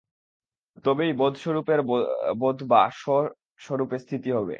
তবেই বোধস্বরূপের বোধ বা স্ব-স্বরূপে স্থিতি হবে।